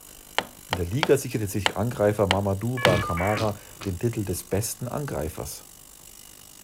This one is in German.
In der Liga sicherte sich Angreifer Mamadou Ba Camara den Titel des besten Angreifers.